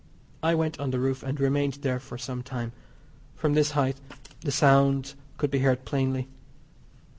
I went on the roof, and remained there for some time. From this height the sounds could be heard plainly.